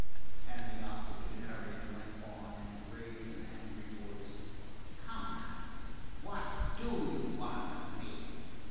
And the octogenarian went on in a grave and angry voice:— "Come, now, what do you want of me?"